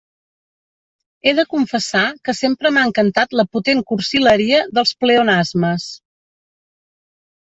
He de confessar que sempre m'ha encantat la potent cursileria dels pleonasmes.